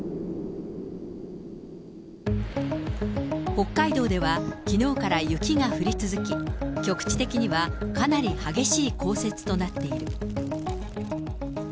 北海道では、きのうから雪が降り続き、局地的にはかなり激しい降雪となっている。